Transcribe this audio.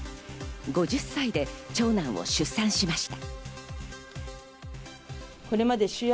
５０歳で長男を出産しました。